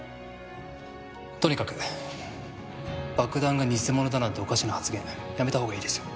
とにかく爆弾が偽物だなんておかしな発言やめたほうがいいですよ。